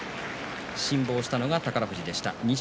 辛抱したのが宝富士でした。